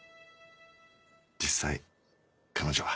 実際彼女は。